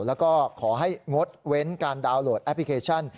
แล้วก็ขอให้งดเว้นการดาวน์โหลดแอปพลิเคชัน